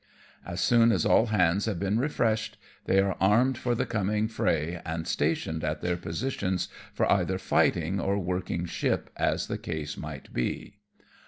As soon as all hands have been refreshed they are armed for the coming fray, and stationed at their positions for either fighting or working ship as the case might be.